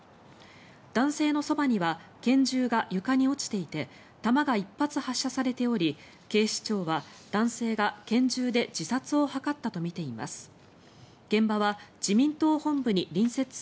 男性のそばには拳銃が床に落ちていて弾が１発発射されており警視庁は男性が拳銃で自殺を図ったとみています。